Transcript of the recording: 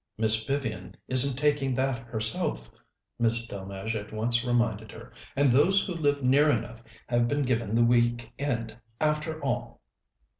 "Miss Vivian isn't taking that herself," Miss Delmege at once reminded her. "And those who live near enough have been given the week end, after all."